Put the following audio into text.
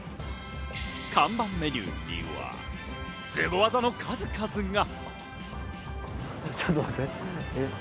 看板メニューにはスゴ技の数々が。